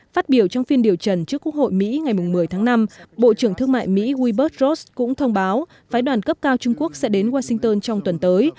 phát biểu trong phiên điều trần trước quốc hội mỹ ngày một mươi tháng năm bộ trưởng thương mại mỹ hubert ross cũng thông báo phái đoàn cấp cao trung quốc sẽ đến washington trong tuần tới